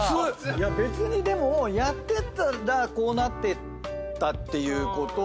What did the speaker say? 別にでもやってたらこうなってたっていうこと。